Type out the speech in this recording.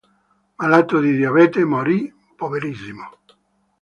Malato di diabete, morì poverissimo.